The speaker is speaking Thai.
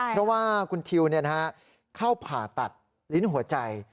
เพราะว่าคุณทิวเข้าผ่าตัดลิ้นหัวใจ